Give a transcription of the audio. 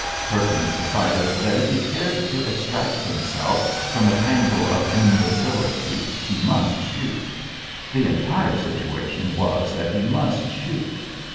Perkins decided that if he cared to extract himself from a tangle of imbecility he must shoot. The entire situation was that he must shoot.